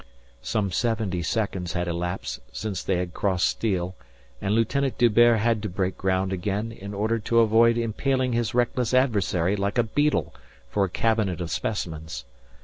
Some seventy seconds had elapsed since they had crossed steel and Lieutenant D'Hubert had to break ground again in order to avoid impaling his reckless adversary like a beetle for a cabinet of specimens.